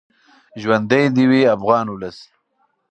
ژوندی دې وي افغان ولس.